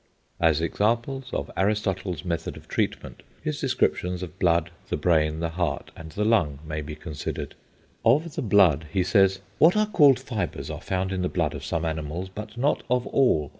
As examples of Aristotle's method of treatment, his descriptions of blood, the brain, the heart, and the lung may be considered. Of the blood he says, "What are called fibres are found in the blood of some animals, but not of all.